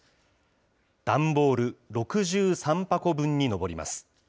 段ボール６３箱分に上ります。